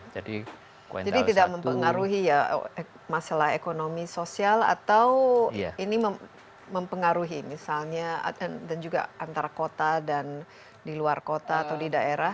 tidak mempengaruhi ya masalah ekonomi sosial atau ini mempengaruhi misalnya dan juga antara kota dan di luar kota atau di daerah